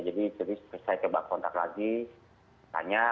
jadi saya coba kontak lagi tanya